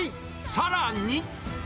さらに。